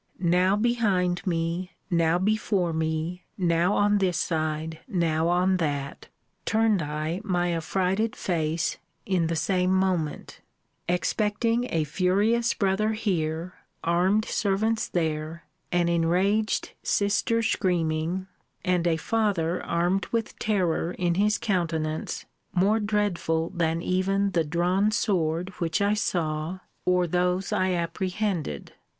Now behind me, now before me, now on this side, now on that, turned I my affrighted face, in the same moment; expecting a furious brother here, armed servants there, an enraged sister screaming, and a father armed with terror in his countenance more dreadful than even the drawn sword which I saw, or those I apprehended.